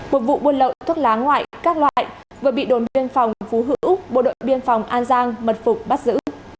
một vụ buôn lậu thuốc lá ngoại các loại vừa bị đồn biên phòng phú hữu bộ đội biên phòng an giang mật phục bắt giữ